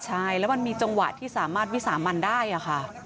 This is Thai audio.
ใช่แล้วมันมีจังหวะที่สามารถวิสามันได้ค่ะ